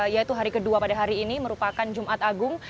yaitu hari kedua pada hari ini merupakan jumat agung